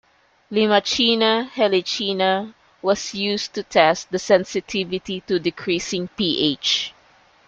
"Limacina helicina" was used to test the sensitivity to decreasing pH.